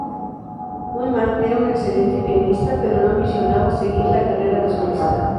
Ullmann era un excelente pianista, pero no ambicionaba seguir la carrera de solista.